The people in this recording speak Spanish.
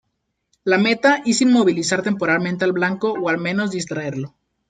La meta es inmovilizar temporalmente al blanco, o al menos distraerlo.